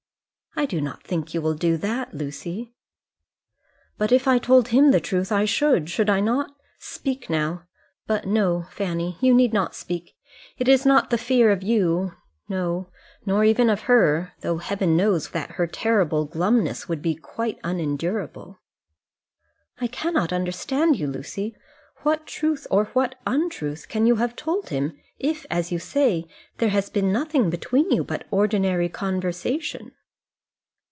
"I don't think you will do that, Lucy." "But if I told him the truth I should, should I not? Speak now. But no, Fanny, you need not speak. It was not the fear of you; no, nor even of her: though Heaven knows that her terrible glumness would be quite unendurable." "I cannot understand you, Lucy. What truth or what untruth can you have told him if, as you say, there has been nothing between you but ordinary conversation?"